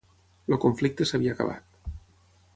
El conflicte s'havia acabat.